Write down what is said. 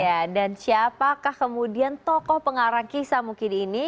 ya dan siapakah kemudian tokoh pengarah kisah mungkin ini